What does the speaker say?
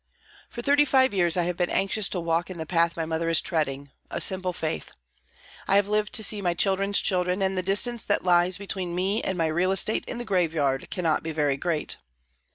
For thirty five years I have been anxious to walk in the path my mother is treading a simple faith. I have lived to see my children's children, and the distance that lies between me and my real estate in the graveyard, cannot be very great.